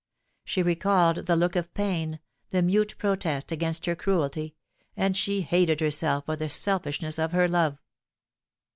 Mie recalled the look of pain, the mute protest against her cruelty, and she hated herself for the selfishness of her love.